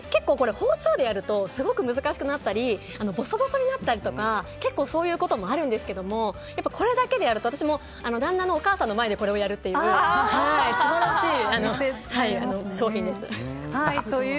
包丁でやるとすごく難しくなったりぼそぼそになったりとか結構、そういうこともあるんですが、これだけでやると私も旦那のお母さんの前でこれをやるという素晴らしい商品です。